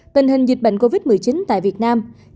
tình hình dịch bệnh covid một mươi chín tại việt nam